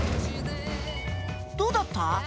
どうだった？